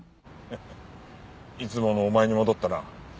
ハハッいつものお前に戻ったな。